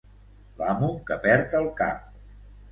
L'amo que perd el cap.